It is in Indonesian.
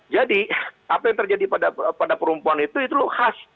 jadi apa yang terjadi pada perempuan itu itu khas